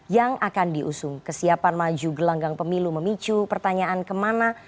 yang akan diusung kesiapan maju gelanggang pemilu memicu pertanyaan kemana